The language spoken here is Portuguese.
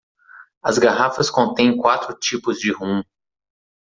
As garrafas contêm quatro tipos de rum.